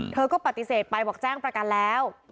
เธอก็ปฏิเสธไปบอกแจ้งประกันแล้ว